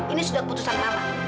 ini sudah keputusan mama